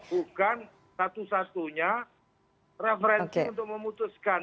bukan satu satunya referensi untuk memutuskan